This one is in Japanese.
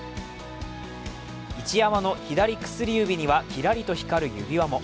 一山の左薬指にはキラリと光る指輪も。